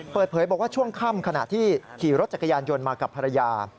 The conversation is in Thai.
เปิดเผยบอกว่าช่วงค่ำขณะที่ขี่รถจักรยานยนต์มากับภรรยา